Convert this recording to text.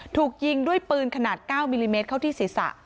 ถูกยิงด้วยปืนขนาด๙มิลลิเมตรเข้าที่ศีรษะ